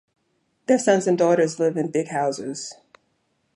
Their sons and daughters live in big houses.